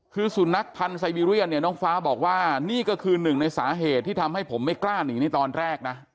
คือสุนัขพันธ์ไซบีเรียนเนี่ยน้องฟ้าบอกว่านี่ก็คือหนึ่งในสาเหตุที่ทำให้ผมไม่กล้าหนีในตอนแรกนะ